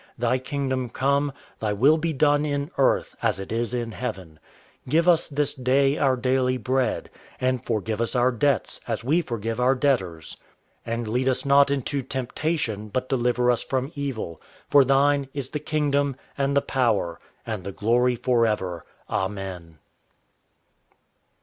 _ Thy kingdom come. Thy will be done in earth, as it is in heaven. Give us this day our daily bread. And forgive us our debts, as we forgive our debtors. And lead us not into temptation, but deliver us from evil: _For Thine is the kingdom, and the power, and the glory, forever. Amen.